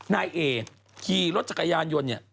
นายเอขี่รถจักรยานยนต์เนี่ย